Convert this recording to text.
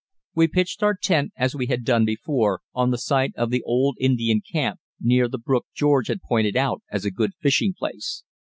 We pitched our tent, as we had done before, on the site of the old Indian camp, near the brook George had pointed out as a good fishing place.